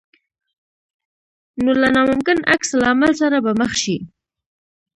نو له ناممکن عکس العمل سره به مخ شې.